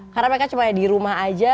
karena mereka cuma di rumah aja